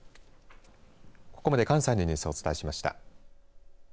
ここまで関西のニュースをお伝えしました。